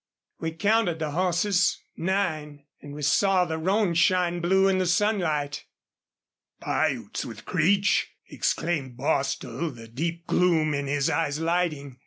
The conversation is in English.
We counted the hosses nine. An' we saw the roan shine blue in the sunlight." "Piutes with Creech!" exclaimed Bostil, the deep gloom in his eyes lighting.